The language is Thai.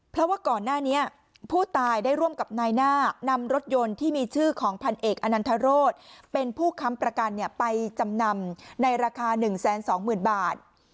เพราะว่าก่อนหน้านี้ผู้ตายได้ร่วมกับนายหน้านำรถยนต์ที่มีชื่อของพันเอกอนันทรศเป็นผู้ค้ำประกันไปจำนำในราคา๑๒๐๐๐บาท